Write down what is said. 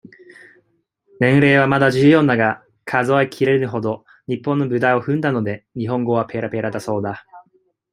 年齢はまだ十四だが、数えきれぬほど、日本の舞台を踏んだので、日本語はぺらぺらだそうだ。